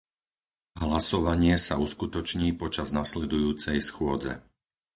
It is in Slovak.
Hlasovanie sa uskutoční počas nasledujúcej schôdze.